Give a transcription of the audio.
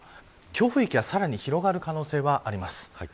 強風域がさらに広がる可能性はあります。